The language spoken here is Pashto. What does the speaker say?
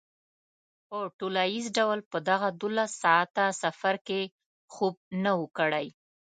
په ټولیز ډول په دغه دولس ساعته سفر کې خوب نه و کړی.